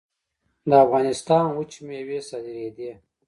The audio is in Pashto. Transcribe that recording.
د افغانستان وچې میوې صادرېدې